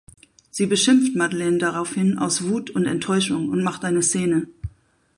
Sie beschimpft Madeleine daraufhin aus Wut und Enttäuschung und macht eine Szene.